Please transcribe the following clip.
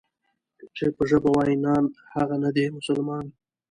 چې په ژبه وای نان، هغه نه دی مسلمان.